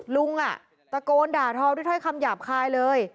ลุงตะโกนด่าทอด้วยถ้อยคำหยาบคายเลย